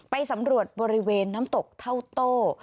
ไปสำรวจบริเวณน้ำตกเท่าโต้